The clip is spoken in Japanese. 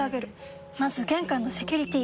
まず玄関のセキュリティ！